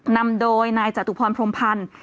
นำโดยนายจตุพรพรมพันธ์